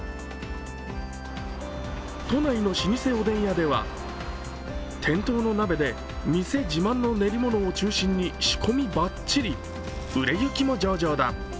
都内の老舗おでん屋では店頭の鍋で店自慢の練り物を中心に仕込みバッチリ売れ行きも上々だ。